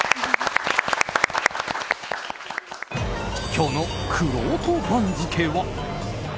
今日のくろうと番付は。